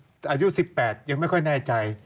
อายุ๑๘ยังไม่ค่อยแน่ใจ